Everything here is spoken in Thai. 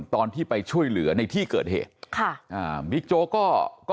ตอนที่ไปช่วยเหลือในที่เกิดเหตุค่ะอ่าบิ๊กโจ๊กก็ก็